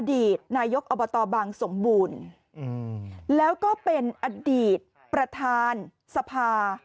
อดีตนายกอบตบางสมบูรณ์แล้วก็เป็นอดีตประธานสภา